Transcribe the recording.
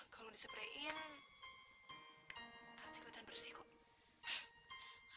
kalau diseprein pasti ikutan bersih kok